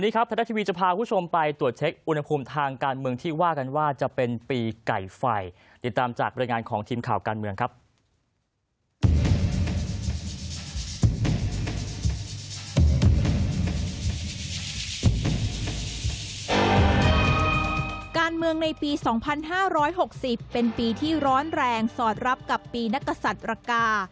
การเมืองในปีสองพันห้าร้อยหกสิบเป็นปีที่ร้อนแรงสอดรับกับปีนักกษัตริย์ระกา